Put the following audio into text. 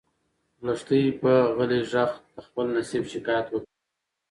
لښتې په غلي غږ د خپل نصیب شکایت وکړ.